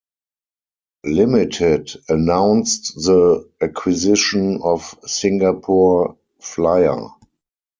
Limited announced the acquisition of Singapore Flyer.